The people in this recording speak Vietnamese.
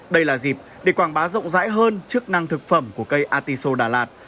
đây là dịp để quảng bá rộng rãi hơn chức năng thực phẩm của cây artiso đà lạt